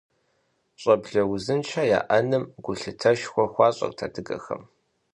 ЩӀэблэ узыншэ яӀэным гулъытэшхуэ хуащӀырт адыгэхэм.